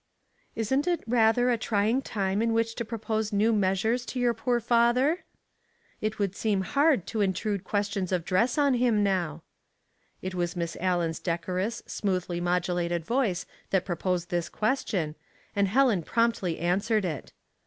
'* Isn't it rather a trying time in which to pro pose new measures to your poor father? It 96 Household Puzzles, would seem hard to intrude questions of dress on him now." It was Miss Allen's decorous, smooth ly modulated voice that proposed this question, and Helen promptly answered it.